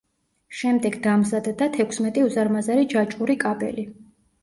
შემდეგ დამზადდა თექვსმეტი უზარმაზარი ჯაჭვური კაბელი.